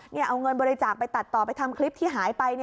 เอาเงินบริจาคไปตัดต่อไปทำคลิปที่หายไป